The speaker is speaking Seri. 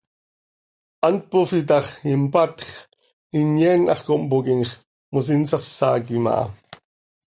Hant pofii ta x, impatj x, inyeen hax compooquim x, mos insásaquim aha.